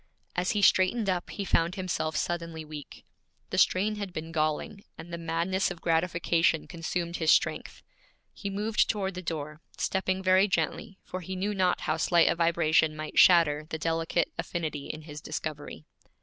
As he straightened up he found himself suddenly weak. The strain had been galling, and the madness of gratification consumed his strength. He moved toward the door, stepping very gently, for he knew not how slight a vibration might shatter the delicate affinity in his discovery.